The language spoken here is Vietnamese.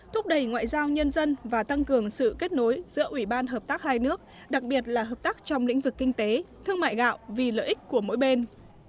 thúc đẩy ngoại giao nhân dân và tăng cường sự kết nối giữa ủy ban hợp tác hai nước đặc biệt là hợp tác trong lĩnh vực kinh tế thương mại gạo vì lợi ích của mỗi bên